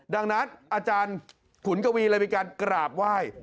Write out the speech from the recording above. ดังนั้นอาจารย์ขุนกวีเลยมีการกราบไหว้